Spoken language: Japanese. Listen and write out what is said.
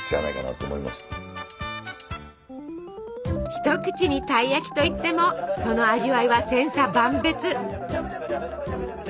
一口に「たい焼き」といってもその味わいは千差万別。